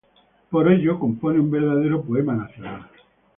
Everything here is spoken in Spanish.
Por ello, compone un verdadero poema nacional.